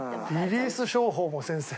リリース商法も先生。